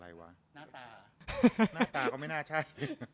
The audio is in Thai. หน้าตาน้าตาคือไม่น่าใช่